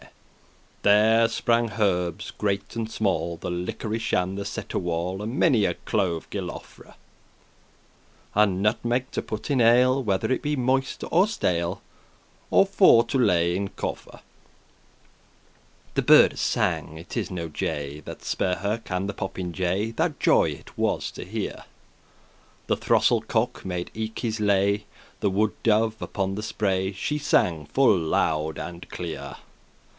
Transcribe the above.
*befallen There sprange herbes great and small, The liquorice and the setewall,* *valerian And many a clove gilofre, <12> And nutemeg to put in ale, Whether it be moist* or stale, *new Or for to lay in coffer. The birdes sang, it is no nay, The sperhawk* and the popinjay, *sparrowhawk parrot <13> That joy it was to hear; The throstle cock made eke his lay, The woode dove upon the spray She sang full loud and clear.